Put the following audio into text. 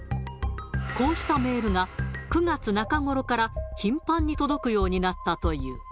こうしたメールが、９月中頃から頻繁に届くようになったという。